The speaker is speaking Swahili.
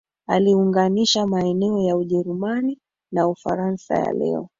Aliunganisha maeneo ya Ujerumani na Ufaransa ya leo